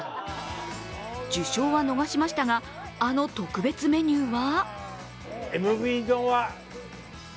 受賞は逃しましたがあの特別メニューは？